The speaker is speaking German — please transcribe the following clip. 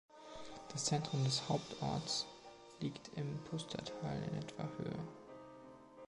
Das Zentrum des Hauptorts liegt im Pustertal in etwa Höhe.